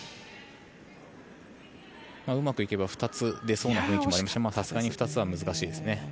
うまくいけば、２つ出そうな雰囲気もありましたがさすがに２つは難しいですね。